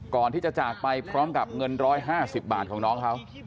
ก่อนที่จะจากไปพร้อมกับเงินร้อยห้าสิบบาทของน้องเขา